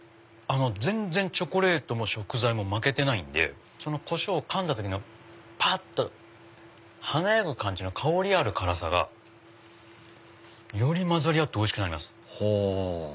全然チョコレートも食材も負けてないんでこしょうをかんだ時のパッと華やぐ感じの香りある辛さがより混ざり合っておいしくなる。